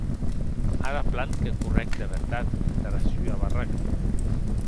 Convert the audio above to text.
Ara plan que correc de vertat entara sua barraca.